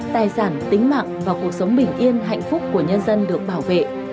tính mạng và cuộc sống bình yên hạnh phúc của nhân dân được bảo vệ